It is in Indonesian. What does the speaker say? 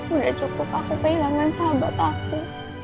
udah cukup aku kehilangan sahabat aku